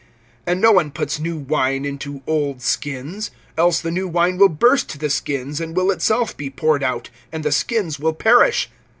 (37)And no one puts new wine into old skins; else the new wine will burst the skins, and will itself be poured out, and the skins will perish.